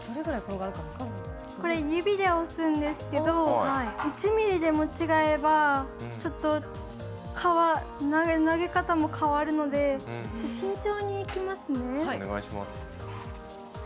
指で押すんですけど１ｍｍでも違えばちょっと投げ方も変わるので慎重にいきますね。